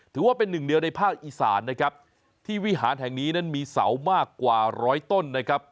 ถือว่าเป็นหนึ่งเดียวในภาคอีสานนะครับที่วิหารแห่งนี้นั้นมีเสามากกว่าร้อยต้นนะครับ